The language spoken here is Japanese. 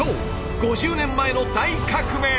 ５０年前の大革命！